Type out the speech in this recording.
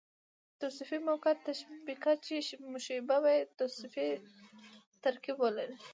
توصيفي مؤکده تشبیه، چي مشبه به ئې توصیفي ترکيب ولري.